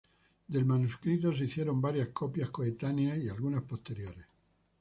Del manuscrito se hicieron varias copias coetáneas y algunas posteriores.